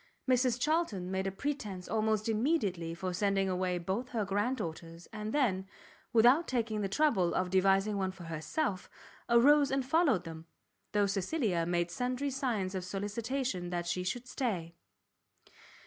Mrs Charlton made a pretence almost immediately for sending away both her grand daughters, and then, without taking the trouble of devising one for herself, arose and followed them, though Cecilia made sundry signs of solicitation that she would stay.